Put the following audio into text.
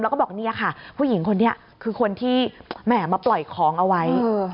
แล้วก็บอกเนี่ยค่ะผู้หญิงคนนี้คือคนที่แหม่มาปล่อยของเอาไว้